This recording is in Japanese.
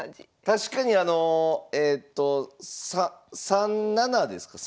確かにあのえと３七ですか？